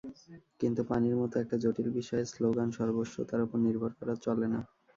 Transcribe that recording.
কিন্তু পানির মতো একটা জটিল বিষয়ে স্লোগানসর্বস্বতার ওপর নির্ভর করা চলে না।